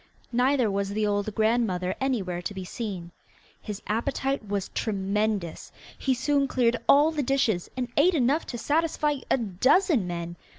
Neither was the old grandmother anywhere to be seen. His appetite was tremendous: he soon cleared all the dishes, and ate enough to satisfy a dozen men.